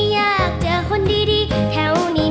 อยากเจอคนดีแถวนี้